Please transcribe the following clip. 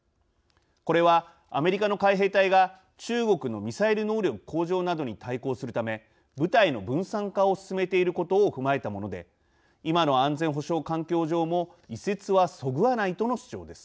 これは、アメリカの海兵隊が中国のミサイル能力向上などに対抗するため部隊の分散化を進めていることを踏まえたもので今の安全保障環境上も移設は、そぐわないとの主張です。